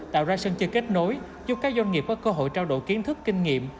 tạo ra sân chơi kết nối giúp các doanh nghiệp có cơ hội trao đổi kiến thức kinh nghiệm